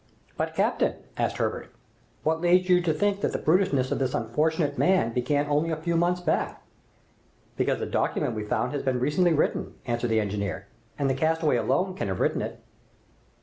"But, captain," asked Herbert, "what leads you to think that the brutishness of the unfortunate man began only a few months back?" "Because the document we found had been recently written," answered the engineer, "and the castaway alone can have written it."